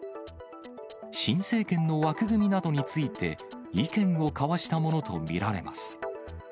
新政権の枠組みなどについて、意見を交わしたものと見られます。